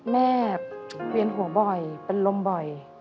เมร่รีอยังห่วงบ่อยเป็นลมบ่อย